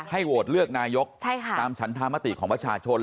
โหวตเลือกนายกตามฉันธรรมติของประชาชน